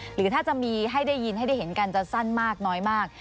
หรือถ้าจะมีให้ได้ยินให้ได้เห็นกันจะสั้นมากน้อยมาก